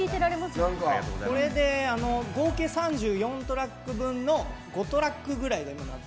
これで合計３４トラック分の５トラックぐらいが。